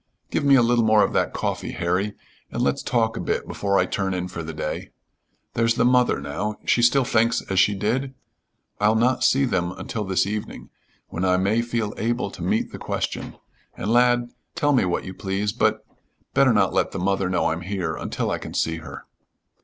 "Give me a little more of that coffee, Harry, and let's talk a bit before I turn in for the day. There's the mother, now; she still thinks as she did? I'll not see them until this evening when I may feel able to meet the question, and, lad, tell them what you please, but better not let the mother know I'm here until I can see her."